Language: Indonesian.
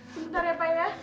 sebentar ya pak ya